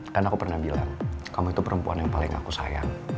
aku pernah bilang kamu itu perempuan yang paling aku sayang